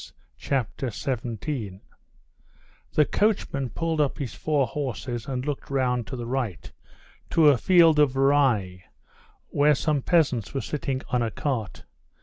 Chapter 17 The coachman pulled up his four horses and looked round to the right, to a field of rye, where some peasants were sitting on a cart.